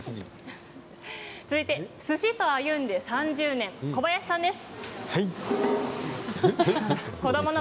続いて、すしと歩んで３０年小林さんです。